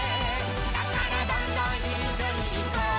「だからどんどんいっしょにいこう」